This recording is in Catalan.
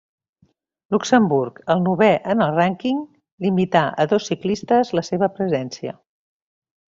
Luxemburg, el novè en el rànquing, limità a dos ciclistes la seva presència.